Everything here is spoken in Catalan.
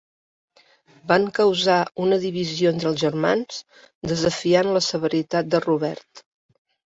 Van causar una divisió entre els germans, desafiant la severitat de Robert.